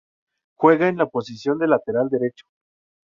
Juega en la posición de Lateral derecho.